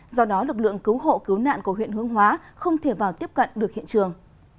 do đó lực lượng cứu hộ cứu nạn của huyện hương hóa không thể vào tiếp cận được hiện trường